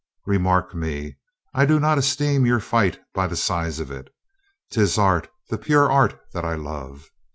"Remark me ! I do not esteem your fight by the size of it. 'Tis art, the pure art, that I love.